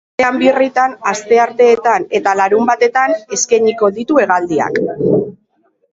Astean birritan, astearteetan eta larunbatetan, eskainiko ditu hegaldiak.